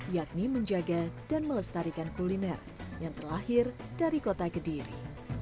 yakni menjaga dan melestarikan kuliner yang terlahir dari kota kediri